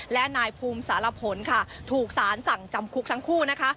และนายภูมิสารพลค่ะถูกสารสั่งจำคุกทั้งคู่นะคะ